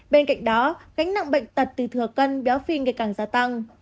bên cạnh đó gánh nặng bệnh tật từ thừa cân béo phi ngày càng gia tăng